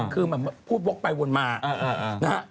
คือพูดวกไปวนมานะฮะ